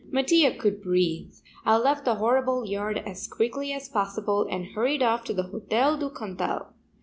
Mattia could breathe. I left the horrible yard as quickly as possible and hurried off to the Hotel du Cantal.